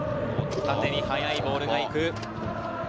縦に速いボールが行く。